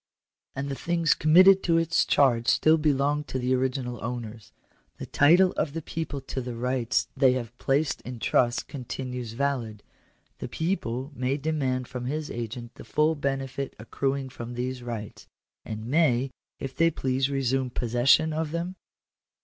" And the things committed to its charge still belong to the original owners. The title of the people to the rights they Digitized by VjOOQIC POLITICAL RIGHTS. 205 have placed in trust continues valid : the people may demand from this agent the full benefit accruing from these rights ; and may, if they please, resume possession of them